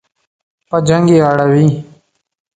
په جنګ یې اړوي.